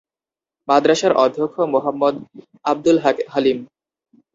মাদ্রাসার অধ্যক্ষ মোহাম্মদ আবদুল হালিম।